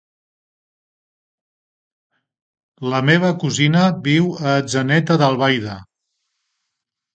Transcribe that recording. La meva cosina viu a Atzeneta d'Albaida.